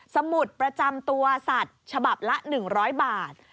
สมุดประจำตัวสัตว์ฉบับละ๑๐๐บาท